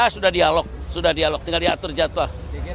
sudah dialog sudah dialog tinggal diatur jadwal